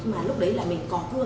mà lúc đấy là mình cỏ cưa